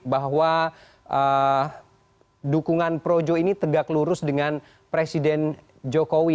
bahwa dukungan projo ini tegak lurus dengan presiden jokowi